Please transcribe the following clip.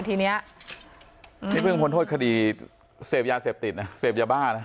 ทีนี้นี่เพิ่งพ้นโทษคดีเสพยาเสพติดนะเสพยาบ้านะ